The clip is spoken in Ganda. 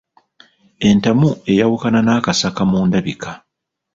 Entamu eyawukana n'akasaka mu ndabika.